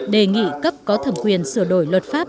đề nghị cấp có thẩm quyền sửa đổi luật pháp